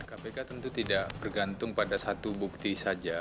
kpk tentu tidak bergantung pada satu bukti saja